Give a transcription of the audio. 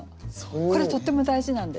これとっても大事なんですよ。